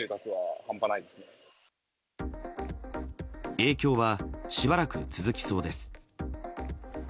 影響はしばらく続きそうです。